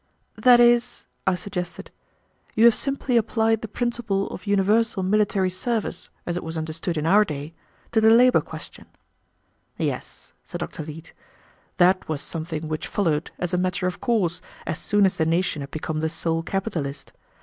"That is," I suggested, "you have simply applied the principle of universal military service, as it was understood in our day, to the labor question." "Yes," said Dr. Leete, "that was something which followed as a matter of course as soon as the nation had become the sole capitalist.